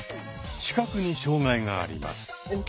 視覚に障がいがあります。